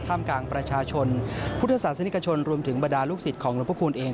กลางประชาชนพุทธศาสนิกชนรวมถึงบรรดาลูกศิษย์ของหลวงพระคุณเอง